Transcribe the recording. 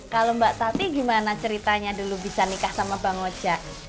kalau mbak sati gimana ceritanya dulu bisa nikah sama bang oja